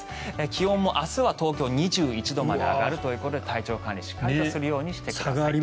気温も明日は東京は２１度まで上がるということで体調管理をしっかりとするようにしてください。